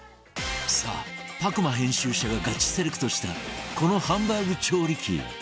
さあ『パコマ』編集者がガチセレクトしたこのハンバーグ調理器